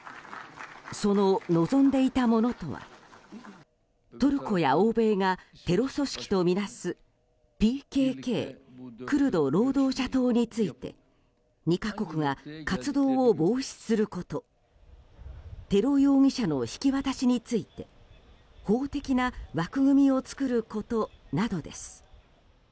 その望んでいたものとはトルコや欧米がテロ組織とみなすＰＫＫ・クルド労働者党について２か国が活動を防止することテロ容疑者の引き渡しについて法的な枠組みを作ることなどです。